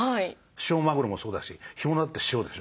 塩マグロもそうだし干物だって塩でしょ。